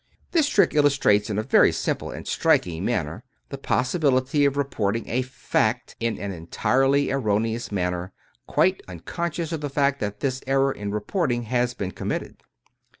This trick illustrates, in a very simple and striking man ner, the possibility of reporting a fact in an entirely errone ous manner, quite unconscious of the fact that this error in reporting has been committed.